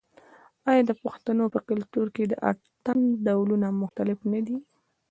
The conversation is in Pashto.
آیا د پښتنو په کلتور کې د اتن ډولونه مختلف نه دي؟